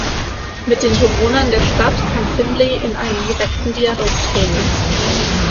Mit den Bewohnern der Stadt kann Finley in einen direkten Dialog treten.